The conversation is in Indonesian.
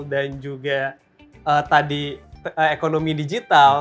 dan juga tadi ekonomi digital